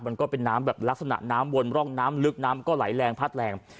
มันก็เป็นน้ำแบบลักษณะน้ำวนร่องน้ำลึกน้ำก็ไหลแรงพัดแรง